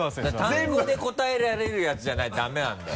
単語で答えられるやつじゃないとダメなんだよ。